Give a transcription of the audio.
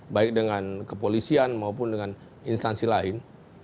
baik dengan kepolisian maupun dengan instansi lain